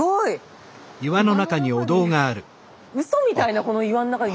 うそみたいなこの岩ん中に！